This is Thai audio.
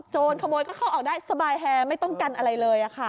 ขโมยก็เข้าออกได้สบายแฮไม่ต้องกันอะไรเลยค่ะ